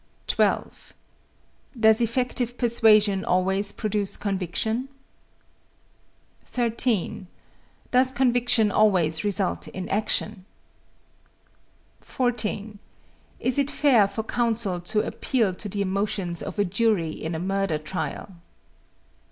12. Does effective persuasion always produce conviction? 13. Does conviction always result in action? 14. Is it fair for counsel to appeal to the emotions of a jury in a murder trial?